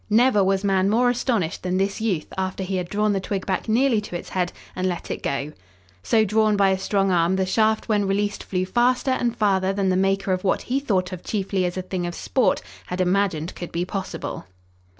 Never was man more astonished than this youth after he had drawn the twig back nearly to its head and let it go! So drawn by a strong arm, the shaft when released flew faster and farther than the maker of what he thought of chiefly as a thing of sport had imagined could be possible.